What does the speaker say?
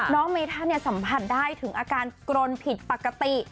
เมธาเนี่ยสัมผัสได้ถึงอาการกรนผิดปกติ